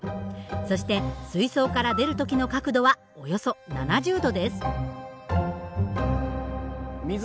そして水槽から出る時の角度はおよそ７０度です。